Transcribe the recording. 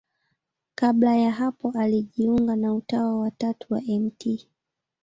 Kabla ya hapo alijiunga na Utawa wa Tatu wa Mt.